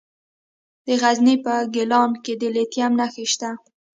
د غزني په ګیلان کې د لیتیم نښې شته.